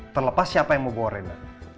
terlepas siapa yang mau bawa reda